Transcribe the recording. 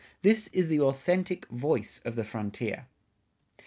"[58:1] This is the authentic voice of the frontier.